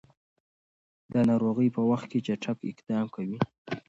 د ناروغۍ په وخت کې چټک اقدام کوي.